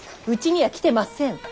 うちには来てません！